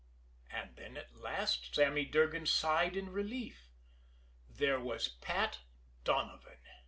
And then at last Sammy Durgan sighed in relief. There was Pat Donovan!